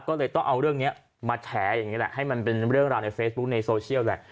ก็เลยต้องเอาเรื่องนี้มาแฉอย่างนี้แหละให้มันเป็นเรื่องราวในเฟซบุ๊คในโซเชียลแหละ